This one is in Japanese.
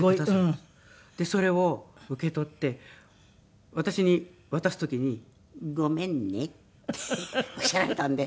それを受け取って私に渡す時に「ごめんね」っておっしゃられたんで。